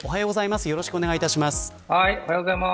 よろしくお願いします。